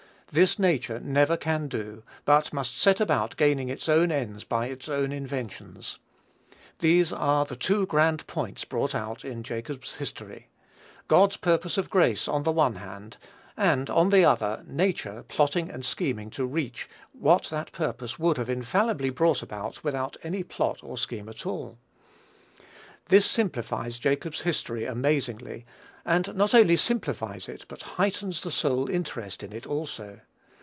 This nature never can do, but must set about gaining its own ends by its own inventions. These are the two grand points brought out in Jacob's history, God's purpose of grace on the one hand; and, on the other, nature plotting and scheming to reach what that purpose would have infallibly brought about without any plot or scheme at all. This simplifies Jacob's history amazingly, and not only simplifies it, but heightens the soul's interest in it also.